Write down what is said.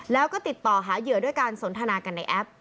แล้วก็ติดต่อหาเหยื่อด้วยการสนทนากันในแอป